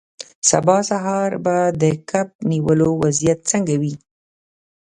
سبا سهار به د کب نیولو وضعیت څنګه وي